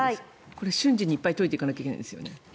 これ、瞬時にいっぱい解いていかないといけないんですよね？